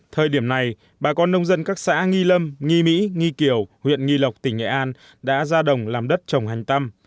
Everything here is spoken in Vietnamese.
thời điểm này bà con nông dân các xã nghi lâm nghi mỹ nghi kiều huyện nghi lộc tỉnh nghệ an đã ra đồng làm đất trồng hành tâm